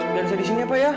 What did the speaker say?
biar saya di sini pak ya